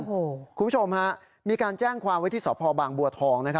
คุณผู้ชมฮะมีการแจ้งความไว้ที่สพบางบัวทอง